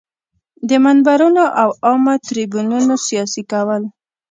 د منبرونو او عامه تریبیونونو سیاسي کول.